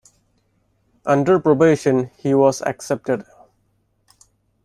Under probation, he was accepted.